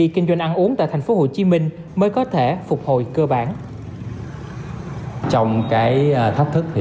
kinh doanh ăn uống tại thành phố hồ chí minh mới có thể phục hồi cơ bản trong cái thách thức thì